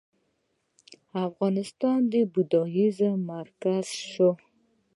افغانستان د بودیزم مرکز شو